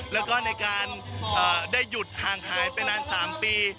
แล้วก็ในการได้หยุดห่างหายไปนาน๓ปี